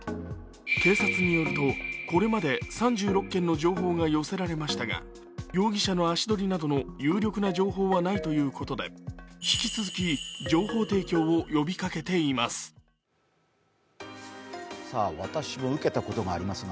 警察によると、これまで３６件の情報が寄せられましたが容疑者の足取りなどの有力な情報はないとのことで引き続き情報提供を呼びかけています。